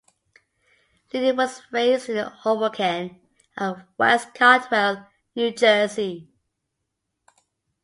Liddy was raised in Hoboken and West Caldwell, New Jersey.